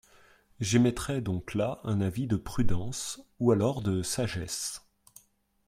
J’émettrai donc là un avis de prudence, ou alors de sagesse.